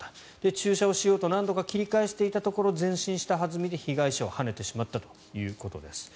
駐車をしようと何度か切り返していたところ前進した弾みで、被害者をはねてしまったということです。